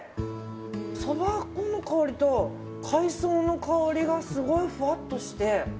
そば粉の香りと海藻の香りがすごい、ふわっとして。